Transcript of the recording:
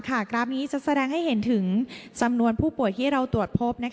กราฟนี้จะแสดงให้เห็นถึงจำนวนผู้ป่วยที่เราตรวจพบ